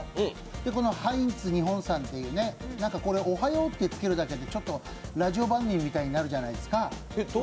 このハインツ日本さんという「おはよう」ってつけるだけでちょっとラジオ番組みたいになるじゃないですか。